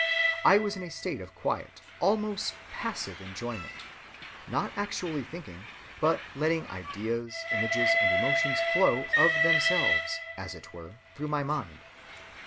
I was in a state of quiet, almost passive enjoyment, not actually thinking, but letting ideas, images, and emotions flow of themselves, as it were, through my mind.